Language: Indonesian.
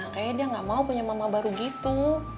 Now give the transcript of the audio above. kayaknya dia gak mau punya mama baru gitu